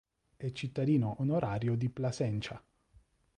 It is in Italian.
È cittadino onorario di Plasencia.